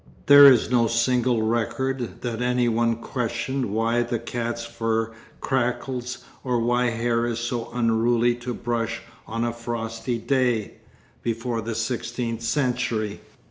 There is no single record that any one questioned why the cat's fur crackles or why hair is so unruly to brush on a frosty day, before the sixteenth century.